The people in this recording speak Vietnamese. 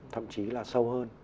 thậm chí là sâu hơn